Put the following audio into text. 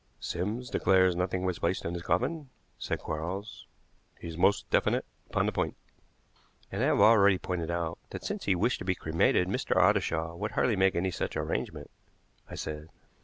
"Sims declares nothing was placed in his coffin," said Quarles; "he is most definite upon the point." "And I have already pointed out that since he wished to be cremated Mr. Ottershaw would hardly make any such arrangement," I said.